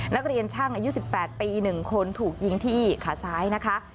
นักเรียนช่างอายุ๑๘ปี๑คนถูกยิงที่ขาซ้ายนะคะ